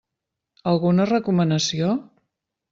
Alguna recomanació?